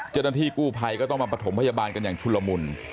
เจ้าหน้าที่กู้ภัยก็ต้องมาประถมพยาบาลกันอย่างชุลมุน